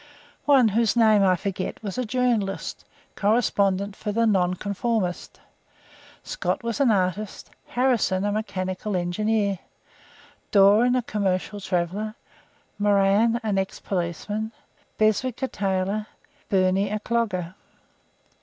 One, whose name I forget, was a journalist, correspondent for the 'Nonconformist'. Scott was an artist, Harrison a mechanical engineer. Doran a commercial traveller, Moran an ex policeman, Beswick a tailor, Bernie a clogger.